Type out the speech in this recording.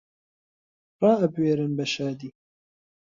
ڕائەبوێرن بە شادی